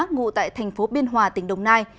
ngụ tại thành phố biên hòa tỉnh đồng nai